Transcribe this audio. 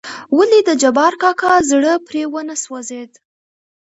ولې دجبار کاکا زړه پرې ونه سوزېد .